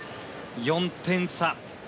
４点差。